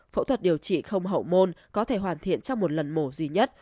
phẫu thuật điều trị không hậu môn có thể hoàn thiện trong một lần mổ duy nhất